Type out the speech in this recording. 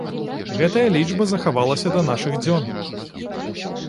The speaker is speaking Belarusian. Гэтая лічба захавалася да нашых дзён.